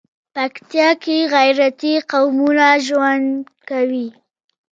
پکتيا کې غيرتي قومونه ژوند کوي.